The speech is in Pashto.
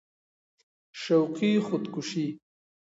شوقي خود کشي